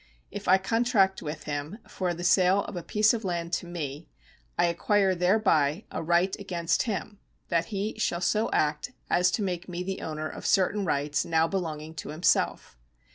If I contract with him for the sale of a piece of land to me, I acquire thereby a right against him, that he shall so act as to make me the owner of certain rights now belonging to himself.